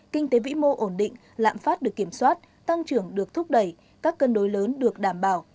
kinh tế vĩ mô ổn định lạm phát được kiểm soát tăng trưởng được thúc đẩy các cân đối lớn được đảm bảo